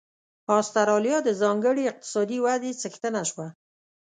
اسټرالیا د ځانګړې اقتصادي ودې څښتنه شوه.